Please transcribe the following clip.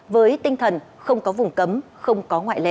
với tinh thần không có vùng cấm không có ngoại lệ